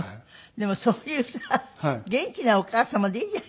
でもそういうさ元気なお母様でいいじゃありませんか。